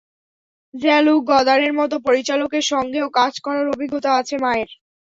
Jean Luc গদারের মতো পরিচালকের সঙ্গেও কাজ করার অভিজ্ঞতা আছে মায়ের।